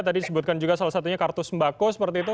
tadi disebutkan juga salah satunya kartu sembako seperti itu